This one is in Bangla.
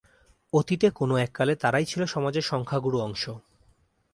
অতীতে কোনো এক কালে তারাই ছিল সমাজের সংখ্যাগুরু অংশ।